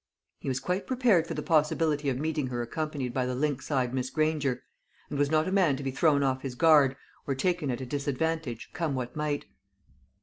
He was quite prepared for the possibility of meeting her accompanied by the lynx eyed Miss Granger; and was not a man to be thrown off his guard, or taken at a disadvantage, come what might.